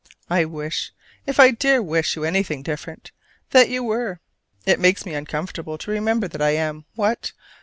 I wish if I dare wish you anything different that you were! It makes me uncomfortable to remember that I am what?